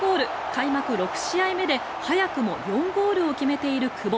開幕６試合目で早くも４ゴールを決めている久保。